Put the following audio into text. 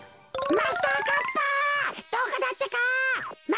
マスターカッパー！